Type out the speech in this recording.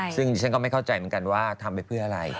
ซึ่งฉันก็ไม่เข้าใจเหมือนกันว่าทำไปเพื่ออะไร